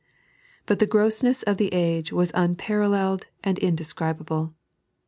But the grossness of the age was unparalleled and indescribable.